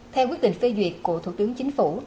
theo quyết định phê duyệt của thủ tướng chính phủ